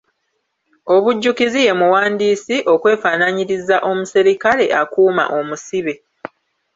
Obujjukiziye muwandiisi, okwefaanaanyiriza omuserikale akuuma omusibe.